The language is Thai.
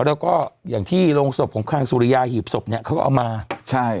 แล้วก็อย่างที่โรงศพของทางสุริยาหีบศพเนี้ยเขาก็เอามาใช่